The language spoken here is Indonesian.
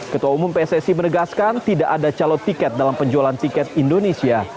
ketua umum pssi menegaskan tidak ada calon tiket dalam penjualan tiket indonesia